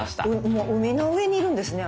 もう海の上にいるんですね